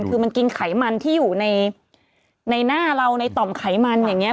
คือมันกินไขมันที่อยู่ในหน้าเราในต่อมไขมันอย่างนี้